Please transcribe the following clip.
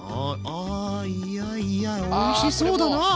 あいやいやおいしそうだなあ。